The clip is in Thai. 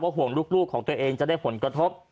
พาผ่อนเยอะครับนอนไม่ได้หลับ